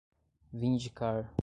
vindicar